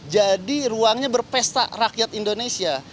jadi ruangnya berpesta rakyat indonesia